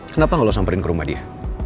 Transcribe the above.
kenapa lo samperin ke rumah dia